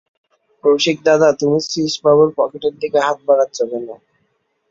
রসিকদাদা, তুমি শ্রীশবাবুর পকেটের দিকে হাত বাড়াচ্ছ কেন?